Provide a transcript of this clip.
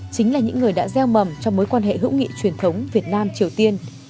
chính là những người đã gieo mầm cho mối quan hệ hữu nghị truyền thống việt nam triều tiên